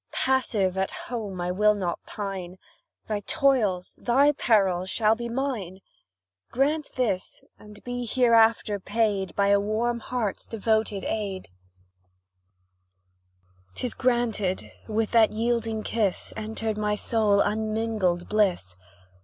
Passive, at home, I will not pine; Thy toils, thy perils shall be mine; Grant this and be hereafter paid By a warm heart's devoted aid: 'Tis granted with that yielding kiss, Entered my soul unmingled bliss.